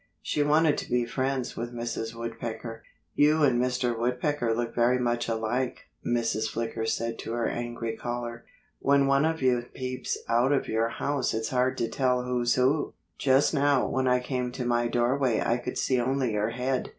She wanted to be friends with Mrs. Woodpecker. "You and Mr. Woodpecker look very much alike," Mrs. Flicker said to her angry caller. "When one of you peeps out of your house it's hard to tell who's who. Just now when I came to my doorway I could see only your head.